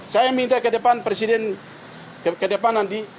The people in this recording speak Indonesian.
saya minta ke depan presiden ke depan nanti